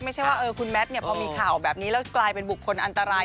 ไม่ใช่ว่าคุณแมทพอมีข่าวแบบนี้แล้วกลายเป็นบุคคลอันตราย